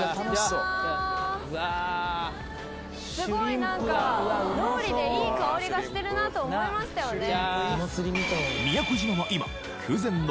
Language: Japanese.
そう道理でいい香りがしてるなと思いましたよね